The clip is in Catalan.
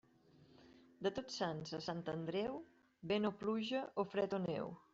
De Tots Sants a Sant Andreu, vent o pluja o fred o neu.